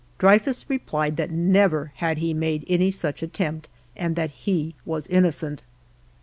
Dreyfus replied that never had he made any such attempt, and that he was innocent.